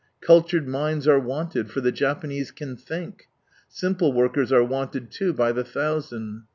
Cultured minds are wanted, for the Japanese can think. Simple workers are wanted, too, by the thousand.